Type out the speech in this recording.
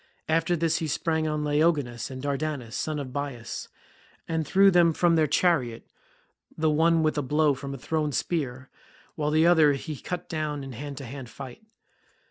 After this he sprang on Laogonus and Dardanus, sons of Bias, and threw them from their chariot, the one with a blow from a thrown spear, while the other he cut down in hand to hand fight.